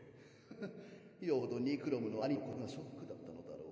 フフッよほどニクロムの兄のことがショックだったのだろう。